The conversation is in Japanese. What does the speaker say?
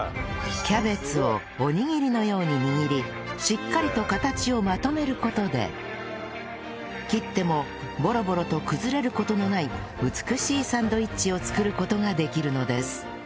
キャベツをおにぎりのように握りしっかりと形をまとめる事で切ってもボロボロと崩れる事のない美しいサンドイッチを作る事ができるのです